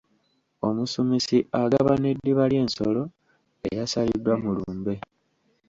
Omusumisi agabana eddiba ly'ensolo eyasaliddwa mu lumbe.